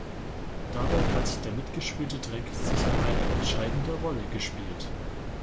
Dabei hat der mitgespülte Dreck sicher eine entscheidende Rolle gespielt.